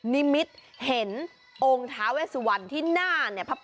นิมิตเห็นองค์ท้าเวสวันที่หน้าเนี่ย